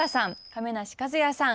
亀梨和也さん